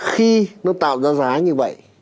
khi nó tạo ra giá như vậy